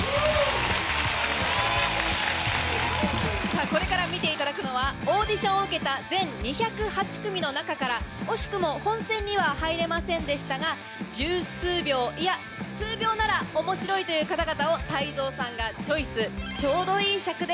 さぁこれから見ていただくのはオーディションを受けた全２０８組の中から惜しくも本戦には入れませんでしたが１０数秒いや数秒なら面白いという方々を泰造さんがチョイス。